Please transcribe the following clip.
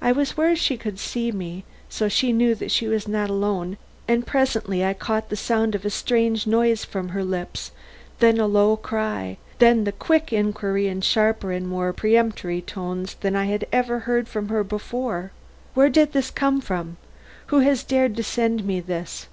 I was where she could see me, so she knew that she was not alone and presently I caught the sound of a strange noise from her lips, then a low cry, then the quick inquiry in sharper and more peremptory tones than I had ever before heard from her, 'Where did this come from? Who has dared to send me this?'